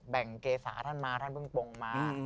แบ่งเกษาท่านมาท่านพึ่งปงมา